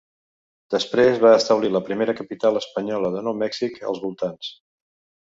Després va establir la primera capital espanyola de Nou Mèxic als voltants.